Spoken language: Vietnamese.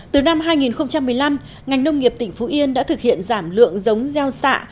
từ năm hai nghìn một mươi năm ngành nông nghiệp tỉnh phú yên đã thực hiện giảm lượng giống gieo xạ